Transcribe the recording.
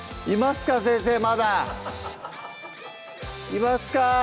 いますか？